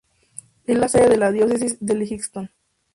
Es la sede de la Diócesis de Lexington.